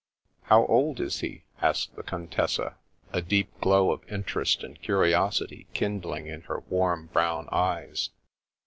"How old is he?" asked the Contessa, a deep glow of interest and curiosity kindling in her warm brown eyes.